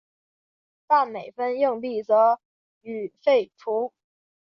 半美分硬币则予废除。